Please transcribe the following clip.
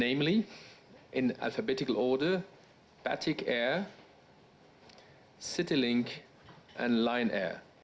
namanya dalam alfabetik batik air citilink dan lion air